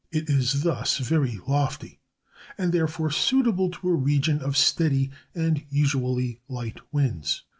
It is thus very lofty, and therefore suitable to a region of steady and usually light winds.